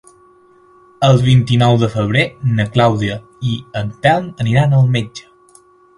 El vint-i-nou de febrer na Clàudia i en Telm aniran al metge.